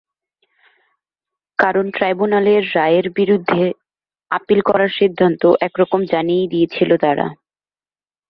কারণ ট্রাইব্যুনালের রায়ের বিরুদ্ধে আপিল করার সিদ্ধান্ত একরকম জানিয়েই দিয়েছিল তারা।